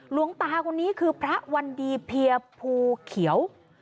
หลวงตาคนนี้คือพระวันดีเพียภูเขียว